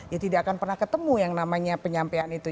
ya tidak akan pernah ketemu yang namanya penyampaian itu